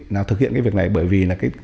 nào thực hiện cái việc này bởi vì